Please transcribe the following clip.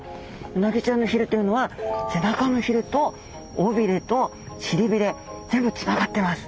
うなぎちゃんのひれというのは背中のひれと尾びれと臀びれ全部つながってます。